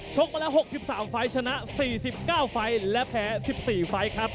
กมาแล้ว๖๓ไฟล์ชนะ๔๙ไฟล์และแพ้๑๔ไฟล์ครับ